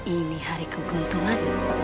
ini hari keuntungan